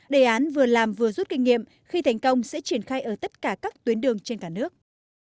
đề án vừa làm vừa rút kinh nghiệm khi thành công sẽ triển khai ở tất cả các tuyến đường trên cả nước